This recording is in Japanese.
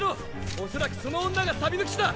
おそらくその女がの騎士だ。